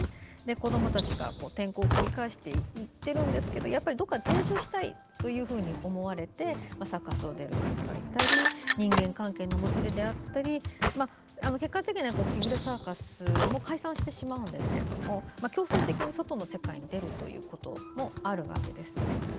子どもたちが転校を繰り返していっているんですがどこかに定住したいと思われてサーカスを出る方がいたり人間関係のもつれであったり結果的にはキグレサーカスも解散してしまうんですけれども強制的に外の世界に出るということもあるわけです。